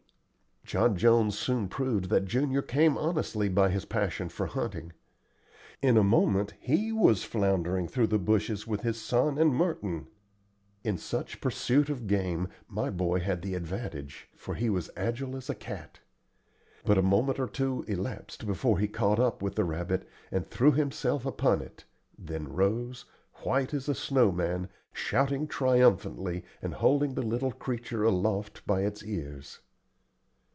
John Jones soon proved that Junior came honestly by his passion for hunting. In a moment he was floundering through the bushes with his son and Merton. In such pursuit of game my boy had the advantage, for he was as agile as a cat. But a moment or two elapsed before he caught up with the rabbit, and threw himself upon it, then rose, white as a snow man, shouting triumphantly and holding the little creature aloft by its ears.